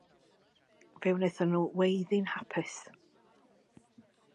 Fe wnaethon nhw weiddi'n hapus.